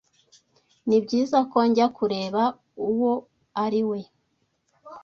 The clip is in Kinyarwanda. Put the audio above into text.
Nibyiza ko njya kureba uwo ari we.